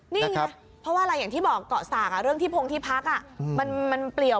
นี่ไงเพราะว่าอะไรอย่างที่บอกเกาะสากเรื่องที่พงที่พักมันเปลี่ยว